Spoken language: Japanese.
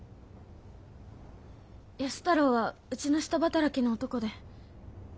安太郎はうちの下働きの男で。